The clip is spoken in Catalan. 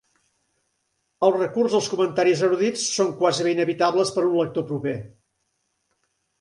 El recurs als comentaris erudits són quasi bé inevitables per a un lector proper.